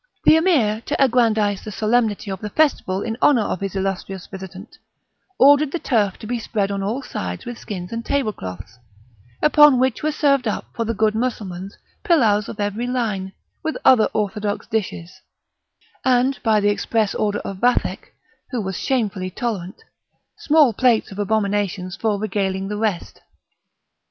The Emir, to aggrandise the solemnity of the festival in honour of his illustrious visitant, ordered the turf to be spread on all sides with skins and table cloths, upon which were served up for the good Mussulmans pilaus of every line, with other orthodox dishes; and, by the express order of Vathek, who was shamefully tolerant, small plates of abominations for regaling the rest.